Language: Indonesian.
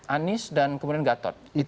anies dan kemudian gatot